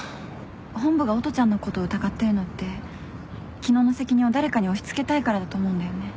本部が音ちゃんのこと疑ってるのって昨日の責任を誰かに押し付けたいからだと思うんだよね。